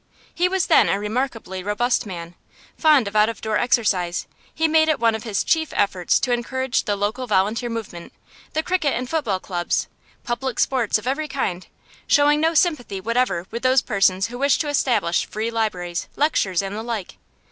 He was then a remarkably robust man, fond of out of door exercise; he made it one of his chief efforts to encourage the local Volunteer movement, the cricket and football clubs, public sports of every kind, showing no sympathy whatever with those persons who wished to establish free libraries, lectures, and the like.